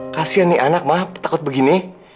kasian nih anak mah takut begini